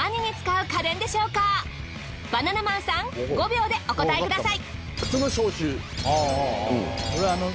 バナナマンさん５秒でお答えください。